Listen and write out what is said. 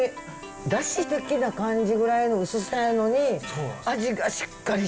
ダシ的な感じぐらいの薄さやのに味がしっかりしてる。